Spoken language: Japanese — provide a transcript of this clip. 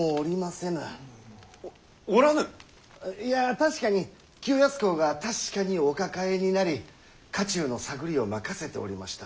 確かに清康公が確かにお抱えになり家中の探りを任せておりました。